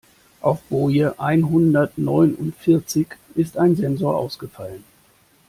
Auf Boje einhundertneunundvierzig ist ein Sensor ausgefallen.